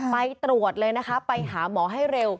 ไปตรวจเลยนะคะไปหาหมอให้เร็ว